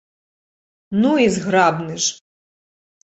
Ну, і зграбны ж!